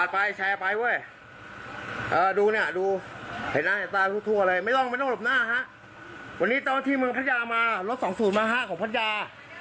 พัทยามารถ๒๐มา๕ของพัทยา